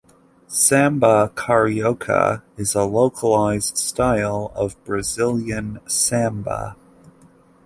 "Samba Carioca" is a localized style of Brazilian Samba.